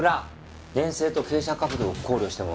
粘性と傾斜角度を考慮しても。